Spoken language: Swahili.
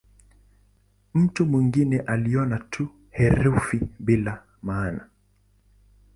Mtu mwingine aliona tu herufi bila maana.